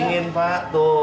eh benfe pat